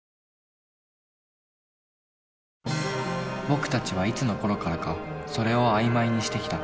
僕たちはいつのころからか「それ」を曖昧にしてきた。